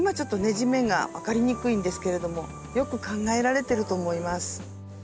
地面が分かりにくいんですけれどもよく考えられてると思います。